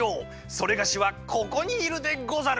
それがしはここにいるでござる！